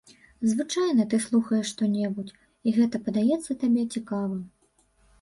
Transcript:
Звычайна ты слухаеш што-небудзь, і гэта падаецца табе цікавым.